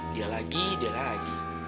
dia lagi dia lagi